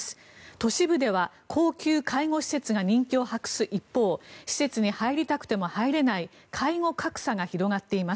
都市部では高級介護施設が人気を博す一方施設に入りたくても入れない介護格差が広がっています。